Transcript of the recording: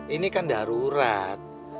ini kan darurat